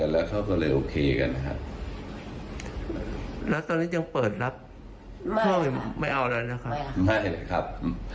แล้วตอนนี้ยังเปิดรับไม่เอาหน่อยครับ